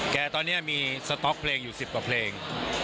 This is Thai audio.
ตอนนี้มีสต๊อกเพลงอยู่๑๐กว่าเพลง